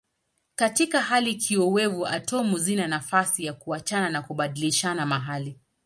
Katika hali kiowevu atomu zina nafasi ya kuachana na kubadilishana mahali.